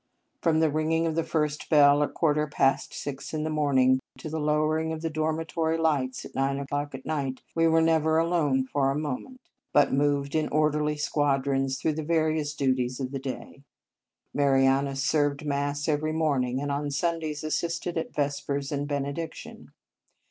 From the ringing of the first bell at quarter past six in the morning to the lower ing of the dormitory lights at nine o clock at night, we were never alone for a moment, but moved in orderly squadrons through the various duties of the day. Marianus served Mass every morning, and on Sundays as sisted at Vespers and Benediction.